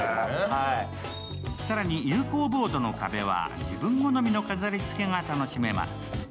更に有孔ボードの壁は自分好みの飾りつけが楽しめます。